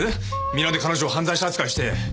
皆で彼女を犯罪者扱いして。